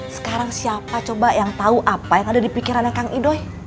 sekarang siapa coba yang tahu apa yang ada di pikirannya kang edoy